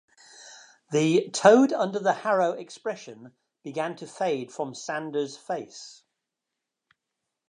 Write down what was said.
The toad-under-the-harrow expression began to fade from Sanders's face.